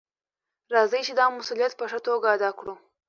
راځئ چې دا مسؤلیت په ښه توګه ادا کړو.